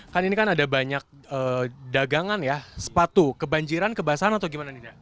kan ini kan ada banyak dagangan ya sepatu kebanjiran kebasahan atau gimana nih dak